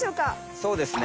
そうですね